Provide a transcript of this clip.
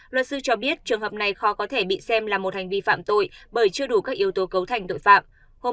luật sư cho biết trường hợp này khó có thể bị xem là một hành vi phạm tội bởi chưa đủ các yếu tố cấu thành tội phạm